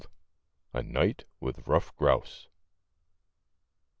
A NIGHT WITH RUFF GROUSE.